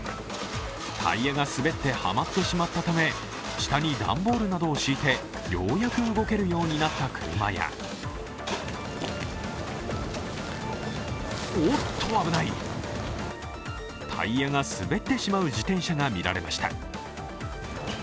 タイヤが滑ってはまってしまったため、下に段ボールなどを敷いてようやく動けるようになった車やおっと、危ない、タイヤが滑ってしまう自転車が見られました。